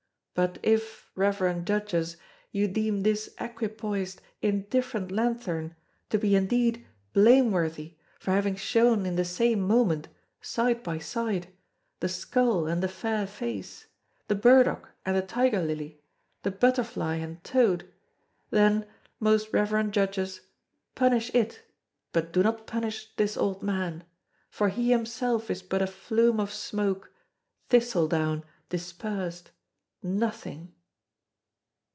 But if, reverend Judges, you deem this equipoised, indifferent lanthorn to be indeed blameworthy for having shown in the same moment, side by side, the skull and the fair face, the burdock and the tiger lily, the butterfly and toad, then, most reverend Judges, punish it, but do not punish this old man, for he himself is but a flume of smoke, thistle down dispersed —nothing!"